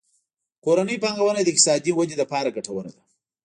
کورنۍ پانګونه د اقتصادي ودې لپاره ګټوره ده.